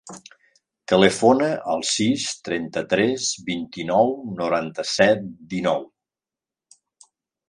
Telefona al sis, trenta-tres, vint-i-nou, noranta-set, dinou.